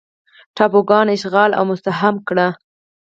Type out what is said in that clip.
ټاپوګان اشغال او مستحکم کړي.